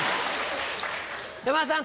山田さん